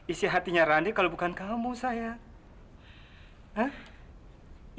isi hatinya rande kalau bukan kamu sayang